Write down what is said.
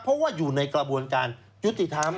เพราะว่าอยู่ในกระบวนการยุติธรรม